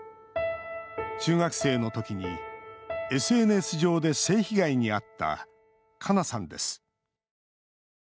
中学生のときにＳＮＳ上で性被害に遭った、かなさんです。